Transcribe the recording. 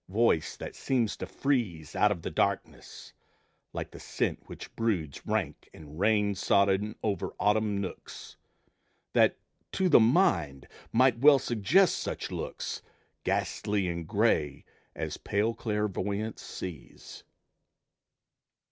voice, that seems to freeze Out of the darkness, like the scent which broods, Rank and rain sodden, over autumn nooks, That, to the mind, might well suggest such looks, Ghastly and gray, as pale clairvoyance sees.